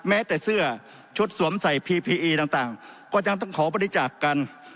แม้แต่เสื้อชุดสวมใส่พีพีอีต่างก็ยังต้องขอบริจาคกัน